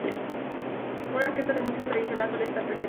Una orquesta de música tradicional suele estar presenta.